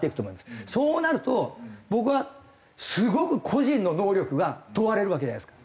そうなると僕はすごく個人の能力が問われるわけじゃないですか。